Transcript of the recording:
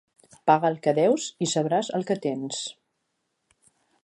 Paga el que deus i sabràs el que tens.